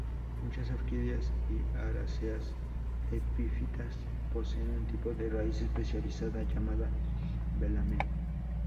Muchas orquídeas y aráceas epífitas poseen un tipo de raíz especializada llamada velamen.